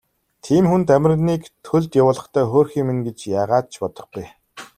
Тийм хүн Дамираныг төлд явуулахдаа хөөрхий минь гэж яагаад ч бодохгүй.